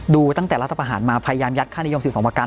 ดูตั้งแต่รัฐประหารมาพยายามยัดค่านิยม๑๒ประการ